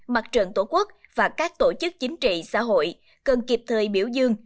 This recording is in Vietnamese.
mặt trận tổ quốc và các tổ chức chính trị xã hội cần kịp thời biểu dương